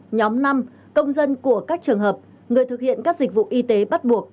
nhóm năm công dân của các trường hợp người thực hiện các dịch vụ y tế bắt buộc